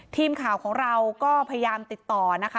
ทีมข่าวของเราก็พยายามติดต่อนะคะ